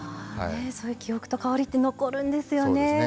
そういう記憶と香りって残るんですよね。